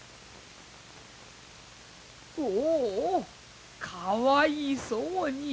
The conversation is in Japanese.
おうおうかわいそうに。